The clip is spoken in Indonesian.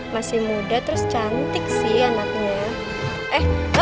masih muda terus cantik sih anaknya eh